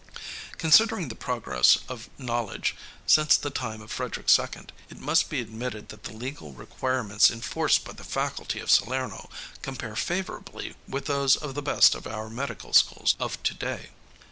Considering the progress of knowledge since the time of Frederick II, it must be admitted that the legal requirements enforced by the faculty of Salerno compare favorably with those of the best of our medical schools of to day.